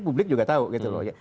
publik juga tahu gitu loh